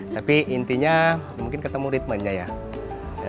tapi intinya mungkin ketemu ritmenya ya